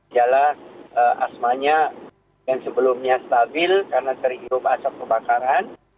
jalan asmanya yang sebelumnya stabil karena terhirup asap kebakaran